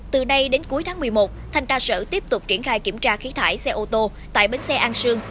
từ nay đến cuối tháng một mươi một thanh tra sở tiếp tục triển khai kiểm tra khí thải xe ô tô tại bến xe an sương